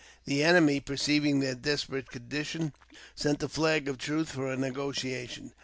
The enemy, perceiving their desperate condition, sent a flag of truce for a negotiation.